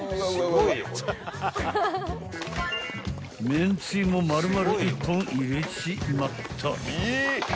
［めんつゆも丸々１本入れちまった］